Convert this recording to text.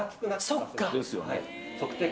そっか。